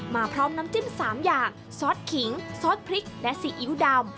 พร้อมน้ำจิ้ม๓อย่างซอสขิงซอสพริกและซีอิ๊วดำ